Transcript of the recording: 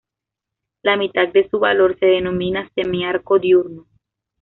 La mitad de su valor se denomina semi-arco diurno.